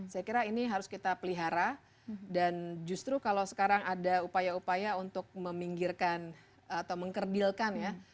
saya kira ini harus kita pelihara dan justru kalau sekarang ada upaya upaya untuk meminggirkan atau mengkerdilkan ya